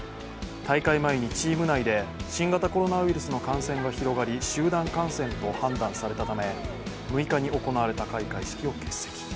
大会前にチーム内で、新型コロナウイルスの感染が広がり集団感染と判断されたため６日に行われた開会式を欠席。